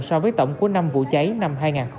so với tổng của năm vụ cháy năm hai nghìn hai mươi